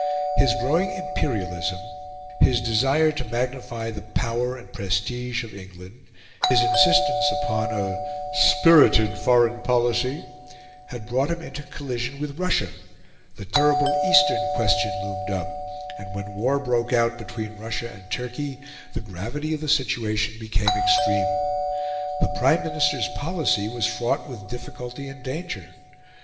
His growing imperialism, his desire to magnify the power and prestige of England, his insistence upon a "spirited foreign policy," had brought him into collision with Russia; the terrible Eastern Question loomed up; and when war broke out between Russia and Turkey, the gravity of the situation became extreme. The Prime Minister's policy was fraught with difficulty and danger.